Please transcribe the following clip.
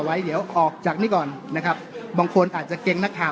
ไว้เดี๋ยวออกจากนี้ก่อนนะครับบางคนอาจจะเก่งนักข่าว